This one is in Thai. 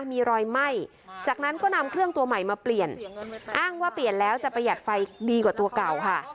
มีรอยไหม้จากนั้นก็นำเครื่องตัวใหม่มาเปลี่ยนอ้างว่าเปลี่ยนแล้วจะประหยัดไฟดีกว่าตัวเก่าค่ะ